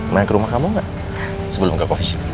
naik ke rumah kamu enggak sebelum kekovisi